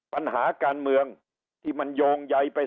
ปัญหาการเมืองที่มันโยงใยไปส่วนใหญ่